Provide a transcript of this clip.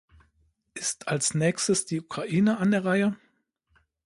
Ist als Nächstes die Ukraine an der Reihe?